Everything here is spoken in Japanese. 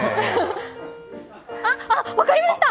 あ、あ、分かりました！